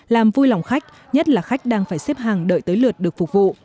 làm vui lòng khách nhất là khách đang phải xếp hàng đợi tới lượt được phục vụ